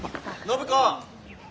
暢子！